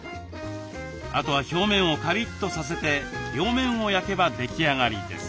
あとは表面をカリッとさせて両面を焼けば出来上がりです。